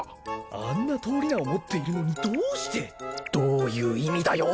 ・あんな通り名を持っているのにどうしてどういう意味だよ！